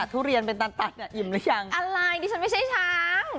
ทุเรียนเป็นตันตันอ่ะอิ่มหรือยังอะไรดิฉันไม่ใช่ช้าง